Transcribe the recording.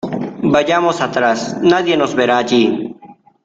Vayamos atrás. Nadie nos verá allí .